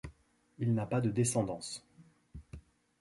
Il n'a pas de descendance.